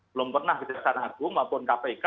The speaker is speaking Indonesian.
belum pernah kejaksaan agung maupun kpk